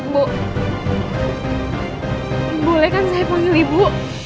bu boleh kan saya panggil ibu